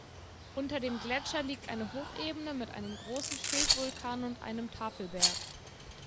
Unter dem Gletscher liegt eine Hochebene mit einem großen Schildvulkan und einem Tafelberg.